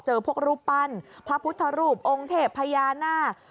พวกรูปปั้นพระพุทธรูปองค์เทพพญานาค